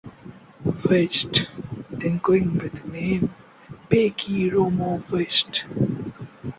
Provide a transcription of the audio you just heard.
West (then going by the name "Peggy Romo West").